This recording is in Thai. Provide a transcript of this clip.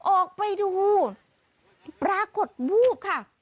ออกไปดูปรากฏวูบค่ะ